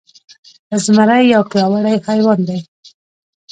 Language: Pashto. زمری يو پياوړی حيوان دی.